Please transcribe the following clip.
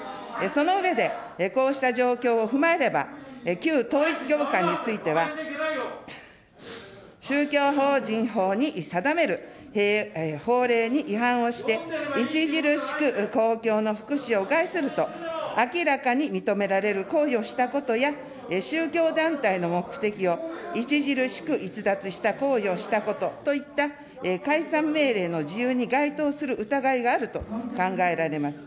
その上で、こうした状況を踏まえれば、旧統一教会については、宗教法人法に定める法令に違反をして、著しく公共の福祉を害すると、明らかに認められる行為をしたことや、宗教団体の目的を著しく逸脱した行為をしたことといった解散命令の事由に該当する疑いがあると考えられます。